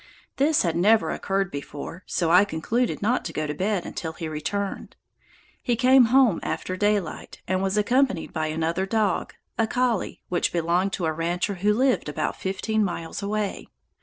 This had never occurred before, so I concluded not to go to bed until he returned. He came home after daylight, and was accompanied by another dog, a collie, which belonged to a rancher who lived about fifteen miles away.